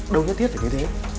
đâu nhất thiết phải như thế